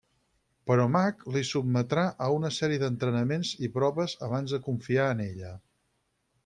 Però Mac li sotmetrà a una sèrie d'entrenaments i proves abans de confiar en ella.